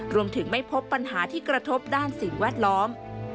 รวมถึงไม่พบปัญหาที่กระทบด้านสิ่งแวดล้อม